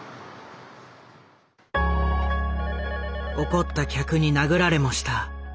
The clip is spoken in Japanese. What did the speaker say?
怒った客に殴られもした。